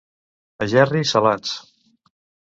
A Gerri, salats.